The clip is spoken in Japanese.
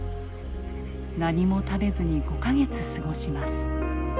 何も食べずに５か月過ごします。